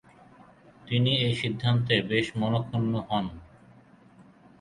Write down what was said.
তিনি এ সিদ্ধান্তে বেশ মনঃক্ষুণ্ণ হন।